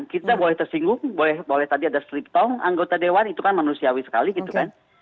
kita boleh tersinggung boleh tadi ada striptong anggota dewan itu kan manusiawi sekali gitu kan